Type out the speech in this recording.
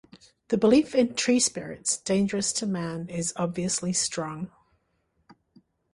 The belief in tree-spirits dangerous to man is obviously strong.